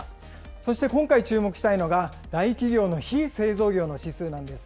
そして今回、注目したいのが、大企業の非製造業の指数なんです。